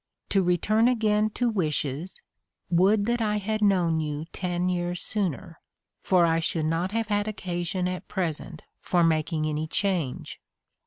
To return again to wishes, would that I had known you ten years sooner, for I should not have had occasion at present for making any change.